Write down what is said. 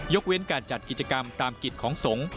เว้นการจัดกิจกรรมตามกิจของสงฆ์